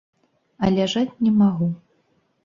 А ляжаць не магу.